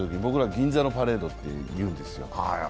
銀座のパレードって言うんですよ。